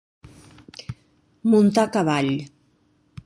muntar cavall